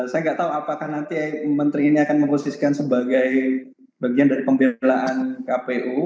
saya nggak tahu apakah nanti menteri ini akan memposisikan sebagai bagian dari pembelaan kpu